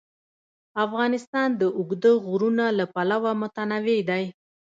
افغانستان د اوږده غرونه له پلوه متنوع دی.